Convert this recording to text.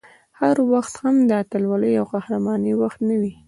هر وخت هم د اتلولۍ او قهرمانۍ وخت نه وي